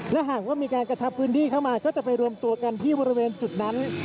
และหากว่ามีการกระชับพื้นที่เข้ามาก็จะไปรวมตัวกันที่บริเวณจุดนั้น